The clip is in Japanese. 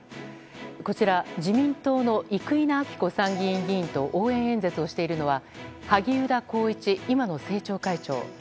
こちら自民党の生稲晃子参議院議員と応援演説をしているのは萩生田光一、今の政調会長。